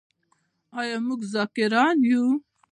آیا موږ ذاکران یو؟